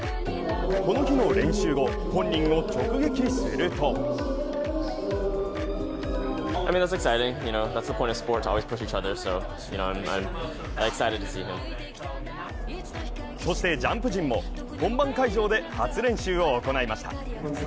この日の練習後、本人を直撃するとそしてジャンプ陣も本番会場で初練習を行いました。